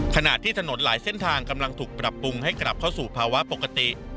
ขณะที่ถนนหลายเส้นทางกำลังถูกปรับปรุงให้กลับเข้าสู่ภาวะปกติ